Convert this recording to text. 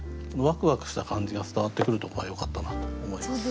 ワクワクした感じが伝わってくるとこがよかったなと思います。